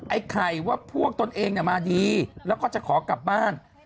ไอ้ไข่ว่าพวกตนเองมาดีแล้วก็จะขอกลับบ้าน